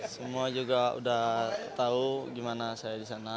semua juga udah tau gimana saya disana